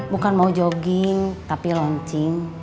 bukan mau jogging tapi launching